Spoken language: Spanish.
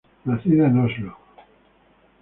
Nacida en Oslo.